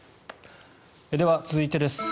では、続いてです。